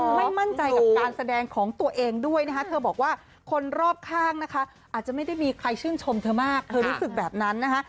ไม่มั่นใจกับการแสดงของตัวเองด้วยนะคะเธอบอกว่าคนรอบข้างนะคะอาจจะไม่ได้มีใครชื่นชมเธอมากเธอรู้สึกแบบนั้นนะคะ